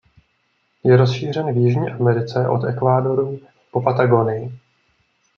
Je rozšířen v Jižní Americe od Ekvádoru po Patagonii.